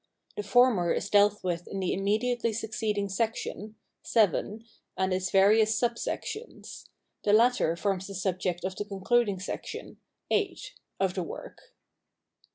The former is dealt with in the im mediately succeeding section (YII) and its various subsections ; the latter forms the subject of the concluding section (VIII) of the work.